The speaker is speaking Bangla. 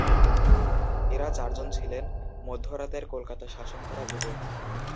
এরা চারজন ছিলেন "মধ্য রাতের কলকাতা শাসন করা যুবক"।